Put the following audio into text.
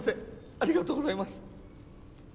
ありがとうございます！